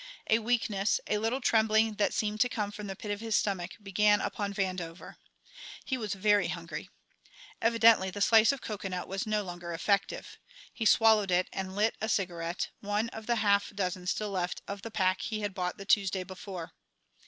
A weakness, a little trembling that seemed to come from the pit of his stomach, began upon Vandover. He was very hungry. Evidently the slice of cocoanut was no longer effective. He swallowed it and lit a cigarette, one of the half dozen still left of the pack he had bought the Tuesday before.